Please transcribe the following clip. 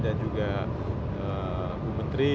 dan juga bu menteri